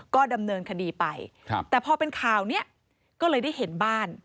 ก็ดำเนินคดีไปครับแต่พอเป็นข่าวเนี้ยก็เลยได้เห็นบ้าน